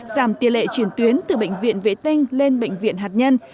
giảm tỷ lệ chuyển tuyến từ bệnh viện vệ tinh lên bệnh viện hạt nhân